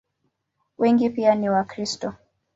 Wengi pia ni Wakristo.